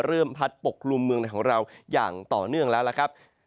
พัดปกกลุ่มเมืองในของเราอย่างต่อเนื่องแล้วล่ะครับ